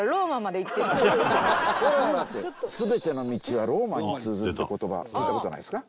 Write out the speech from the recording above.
それはだって「全ての道はローマに通ず」って言葉聞いた事ないですか？